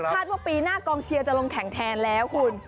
ว่าปีหน้ากองเชียร์จะลงแข่งแทนแล้วคุณ